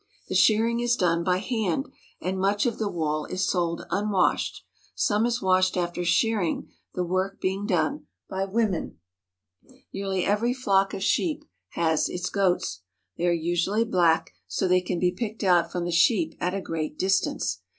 The shearing is done by hand, and much of the wool is sold unwashed. Some is washed after shearing, the work being done by women. Nearly every flock of sheep has its goats. They are usually black so they can be picked out from the sheep at a great distance.